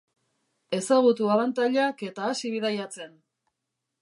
Ezagutu abantailak eta hasi bidaiatzen!